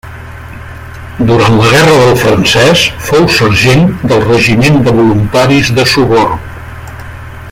Durant la guerra del Francès fou sergent del Regiment de Voluntaris de Sogorb.